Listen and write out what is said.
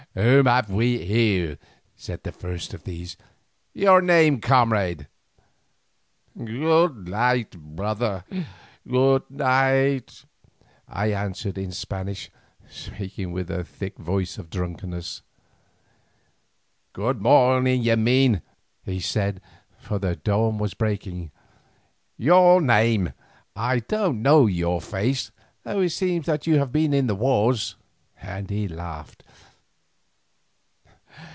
"Whom have we here?" said the first of these. "Your name, comrade?" "Good night, brother, good night," I answered in Spanish, speaking with the thick voice of drunkenness. "Good morning, you mean," he said, for the dawn was breaking. "Your name. I don't know your face, though it seems that you have been in the wars," and he laughed.